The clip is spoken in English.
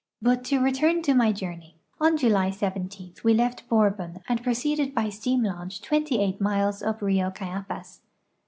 But to return to my journey On July 17 we left Borbon and proceeded by steam launch 28 miles up Rio Cayapas.